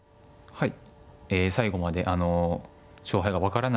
はい。